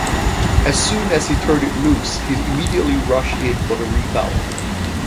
As soon as he turned it loose, he immediately rushed in for the rebound.